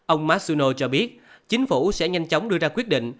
ông marsuno cho biết chính phủ sẽ nhanh chóng đưa ra quyết định